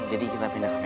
jadi kita pindah cafe aja